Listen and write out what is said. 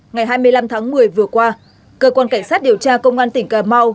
ngày hai mươi năm tháng một mươi vừa qua cơ quan cảnh sát điều tra công an tỉnh cà mau